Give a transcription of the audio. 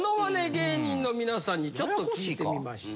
芸人の皆さんにちょっと聞いてみました。